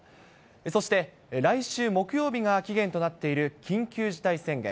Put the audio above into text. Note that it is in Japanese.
そして来週木曜日が期限となっている緊急事態宣言。